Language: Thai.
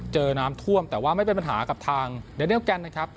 เจอน้ำท่วมแต่ว่าไม่เป็นปัญหากับทางเดเนียลแกนนะครับ